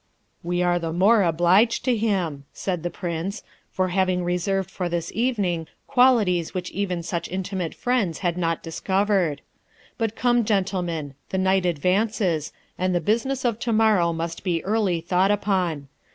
'We are the more obliged to him,' said the Prince, 'for having reserved for this evening qualities which even such intimate friends had not discovered. But come, gentlemen, the night advances, and the business of tomorrow must be early thought upon.